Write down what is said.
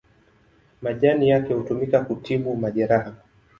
Majani yake hutumika kutibu majeraha.